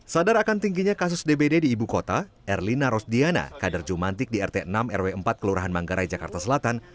sadar akan tingginya kasus dbd di ibu kota erlina rosdiana kader jumantik di rt enam rw empat kelurahan manggarai jakarta selatan